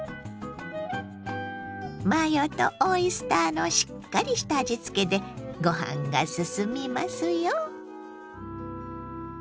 マヨとオイスターのしっかりした味付けでご飯がすすみますよ。